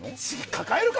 抱えるか！